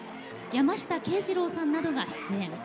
山下敬二郎さんなどが出演。